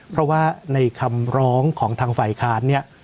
เพราะว่าในคำร้องของทางฝ่ายค้านเนี่ย